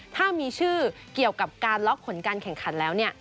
ถ้ามีชื่อเกี่ยวกับการล็อกผลการแข่งขันแล้วเนี่ย